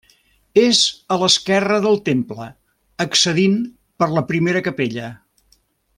És a l'esquerra del temple, accedint per la primera capella.